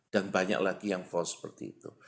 dan banyak lagi yang false seperti itu